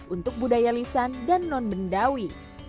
untuk budaya lisan dan non bendawi